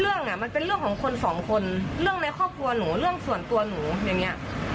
เรื่องอ่ะมันเป็นเรื่องของคนสองคนเรื่องในครอบครัวหนูเรื่องส่วนตัวหนูอย่างเงี้ย